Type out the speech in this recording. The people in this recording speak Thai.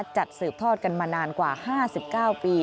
สืบทอดกันมานานกว่า๕๙ปี